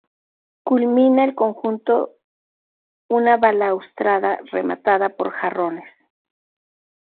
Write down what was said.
Culmina el conjunto una balaustrada rematada por jarrones.